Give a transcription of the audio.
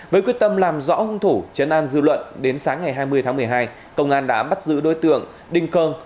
với quyết tâm làm rõ hung thủ chấn an dư luận đến sáng ngày hai mươi tháng một mươi hai công an đã bắt giữ đối tượng đinh cơ